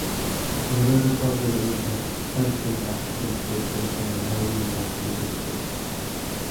They were recovery agents "helping" accident victims on a "no win no fee" basis.